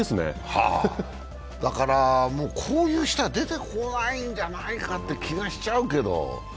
だからこういう人は出てこないんじゃないかという気がしちゃうんだけど。